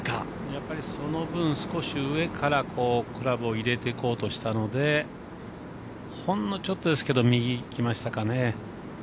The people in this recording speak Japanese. やっぱりその分、少し上からクラブを入れていこうとしたのでほんのちょっとですけど右行きましたかね。